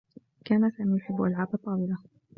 كان سامي يحبّ ألعاب الطّاولة.